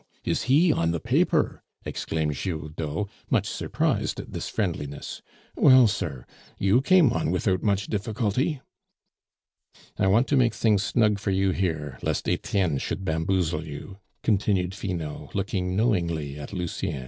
is he on the paper?" exclaimed Giroudeau, much surprised at this friendliness. "Well, sir, you came on without much difficulty." "I want to make things snug for you here, lest Etienne should bamboozle you," continued Finot, looking knowingly at Lucien.